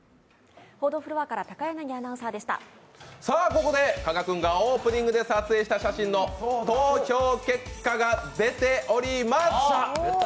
ここで加賀君がオープニングで撮影した写真の、投票結果が出ております！